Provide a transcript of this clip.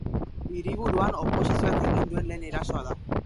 Hiriburuan oposizioak egin duen lehen erasoa da.